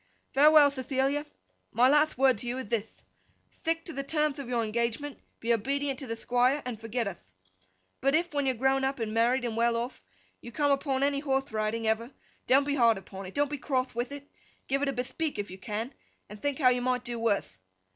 Farewell, Thethilia! My latht wordth to you ith thith, Thtick to the termth of your engagement, be obedient to the Thquire, and forget uth. But if, when you're grown up and married and well off, you come upon any horthe riding ever, don't be hard upon it, don't be croth with it, give it a Bethpeak if you can, and think you might do wurth.